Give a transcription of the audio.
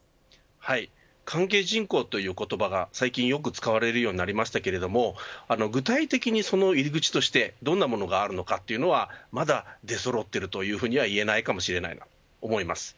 関係人口という言葉が最近よく使われるようになりましたけど具体的にその入り口としてどんなものがあるのかというのはまだ出そろっているというふうには言えないかもしれないと思います。